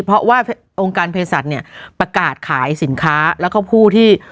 เพราะว่าองค์การเพศสัตว์เนี่ยประกาศขายสินค้าแล้วก็ผู้ที่